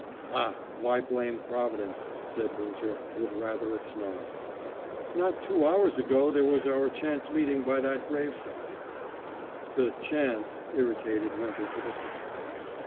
"Ah! Why blame Providence?" said Winter, with rather a snarl. "Not two hours ago there was our chance meeting by that graveside " The "chance" irritated Winter to the quick.